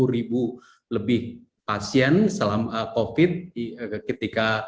ribu lebih pasien selama covid ketika